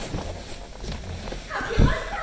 かけました！